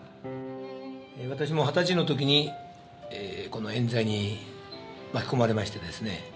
私も二十歳の時にえん罪に巻き込まれましてですね